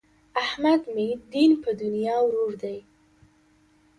احمد مې دین په دنیا ورور دی.